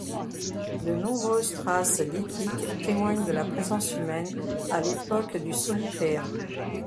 De nombreuses traces lithiques témoignent de la présence humaine à l’époque du solutréen.